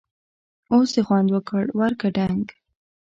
اوس یې خوند وکړ٬ ورکه ډنګ!